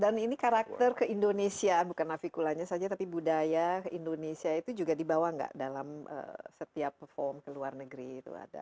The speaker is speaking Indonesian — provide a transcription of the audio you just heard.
dan ini karakter ke indonesia bukan naviculanya saja tapi budaya indonesia itu juga dibawa nggak dalam setiap perform ke luar negeri itu ada